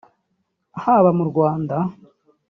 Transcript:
haba mu Rwanda